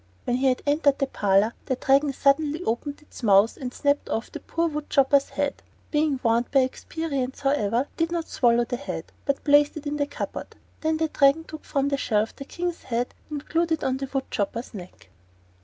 When he had entered the parlor the Dragon suddenly opened its mouth and snapped off the poor wood chopper's head. Being warned by experience, however, it did not swallow the head, but placed it in the cupboard. Then the Dragon took from a shelf the King's head and glued it on the wood chopper's neck.